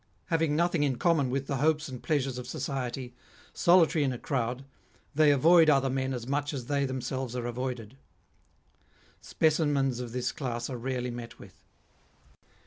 Having nothing in common with the hopes and pleasures of society, solitary in a crowd, they avoid other men as much as they themselves are avoided. Specimens of this class are rarely met with.